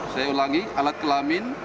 saya ulangi alat kelamin